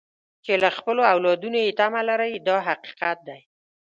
چې له خپلو اولادونو یې تمه لرئ دا حقیقت دی.